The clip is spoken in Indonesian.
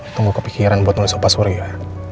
tunggu kepikiran buat nulis opa surya